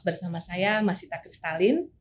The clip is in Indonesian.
bersama saya mas sita kristalin